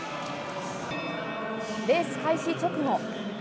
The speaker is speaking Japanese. レース開始直後。